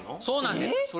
そうなんです。